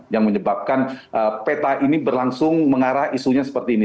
yang menyebabkan peta ini berlangsung mengarah isunya seperti ini